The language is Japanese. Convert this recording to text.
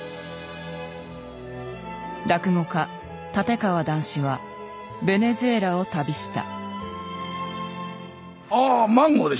落語家立川談志はベネズエラを旅した。